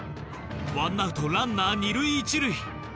ワンアウトランナー二塁一塁。